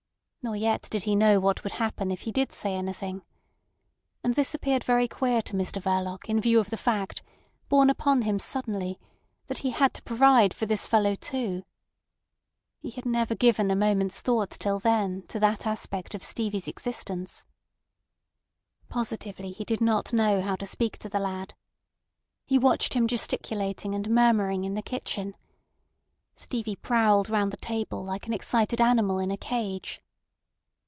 Nor yet did he know what would happen if he did say anything. And this appeared very queer to Mr Verloc in view of the fact, borne upon him suddenly, that he had to provide for this fellow too. He had never given a moment's thought till then to that aspect of Stevie's existence. Positively he did not know how to speak to the lad. He watched him gesticulating and murmuring in the kitchen. Stevie prowled round the table like an excited animal in a cage.